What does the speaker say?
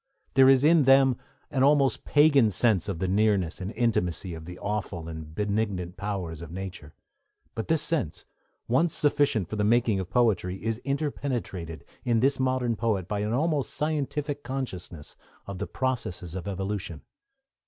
There is in them an almost pagan sense of the nearness and intimacy of the awful and benignant powers of nature; but this sense, once sufficient for the making of poetry, is interpenetrated, in this modern poet, by an almost scientific consciousness of the processes of evolution.